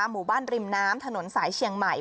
หมู่บ้านริมน้ำถนนสายเชียงใหม่